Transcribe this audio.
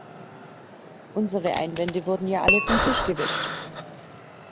Unsere Einwände wurden ja alle vom Tisch gewischt.